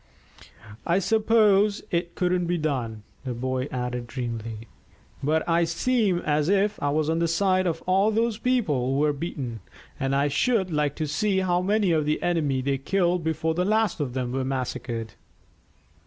"I suppose it couldn't be done," the boy added dreamily, "but I seem as if I was on the side of all those people who were beaten, and I should like to see how many of the enemy they killed before the last of them were massacred."